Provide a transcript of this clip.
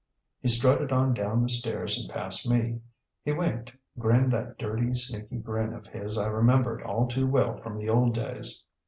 He strutted on down the stairs and past me. He winked, grinned that dirty, sneaky grin of his I remembered all too well from the old days.